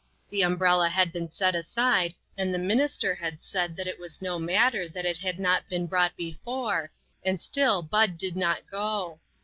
The umbrella had been set aside, and the minister had said it was no matter that it had not been brought before, and still Bud did not go.